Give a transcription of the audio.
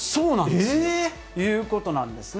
えー？ということなんですね。